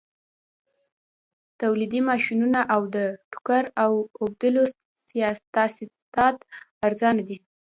تولیدي ماشینونه او د ټوکر اوبدلو تاسیسات ارزانه دي